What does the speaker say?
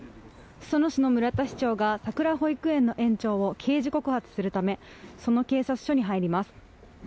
裾野市の村田市長がさくら保育園の延長を刑事告発するため裾野警察署に入ります。